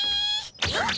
あっ！